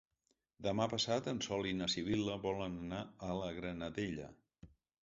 Demà passat en Sol i na Sibil·la volen anar a la Granadella.